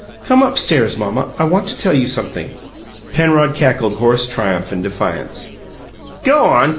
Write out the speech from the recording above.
"Come upstairs, mamma; I want to tell you something." Penrod cackled hoarse triumph and defiance. "Go on!